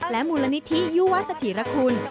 มูลนิธิยุวสถิรคุณ